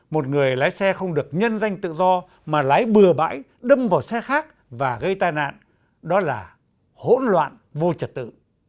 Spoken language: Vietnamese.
một người lái xe không được nhân danh tự do mà lái bừa bãi đâm vào xe khác và gây tai nạn đó là hỗn loạn vô trật tự